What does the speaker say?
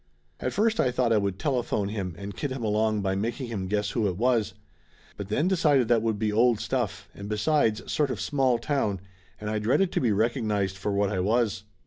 At first I thought I would telephone him and kid him along by making him guess who it was, but then decided that would be old stuff, and besides, sort of small town, and I dreaded to be recognized for what I was.